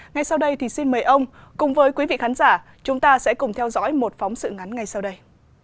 ngay sau đây thì xin mời ông cùng với quý vị khán giả chúng ta sẽ cùng theo dõi một phóng sự ngắn ngay sau đây